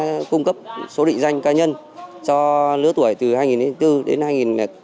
công an xã đã cung cấp số định danh ca nhân cho lứa tuổi từ hai nghìn bốn đến hai nghìn tám